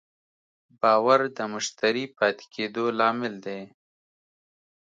باور د مشتری پاتې کېدو لامل دی.